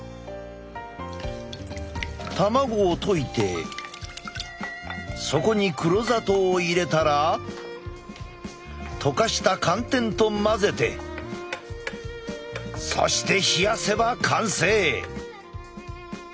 卵を溶いてそこに黒砂糖を入れたら溶かした寒天と混ぜてそして冷やせば完成。